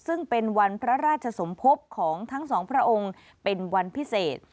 ซึ่งเป็นวันพระราชสมภพของทั้งสองพระองค์เป็นวันพิเศษ